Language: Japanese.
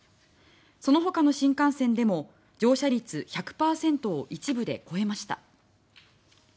そのほかの新幹線でも乗車率１００％を一部で超えました。